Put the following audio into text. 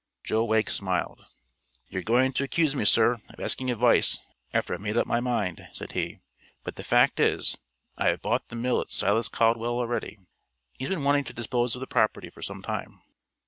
Joe Wegg smiled. "You're going to accuse me, sir, of asking advice after I've made up my mind," said he; "but the fact is, I have bought the mill of Silas Caldwell already. He's been wanting to dispose of the property for some time."